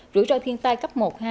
rủi ro thiên tai cấp một hai